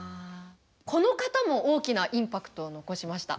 この方も大きなインパクトを残しました。